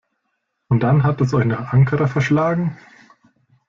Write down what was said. Und dann hat es euch nach Ankara verschlagen?